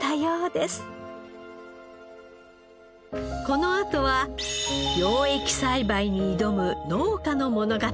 このあとは養液栽培に挑む農家の物語。